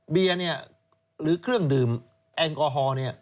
เบียร์หรือเครื่องดื่มแอลกอฮอล์